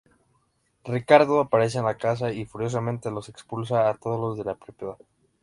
Riccardo aparece en la casa y furiosamente los expulsa a todos de la propiedad.